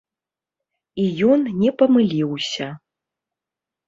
І ён не памыліўся.